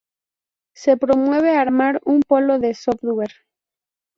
Se promueve armar un Polo de Software.